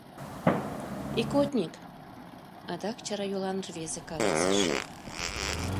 — Икотник, — адак чара йолан рвезе каласыш.